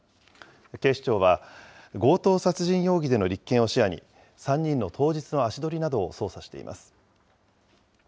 警視庁は強盗殺人容疑での立件を視野に、３人の当日の足取りなどを捜査しています。